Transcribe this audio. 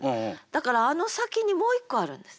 だからあの先にもう一個あるんです。